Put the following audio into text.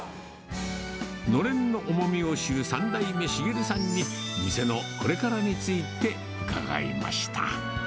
のれんの重みを知る、３代目、茂さんに、店のこれからについて伺いました。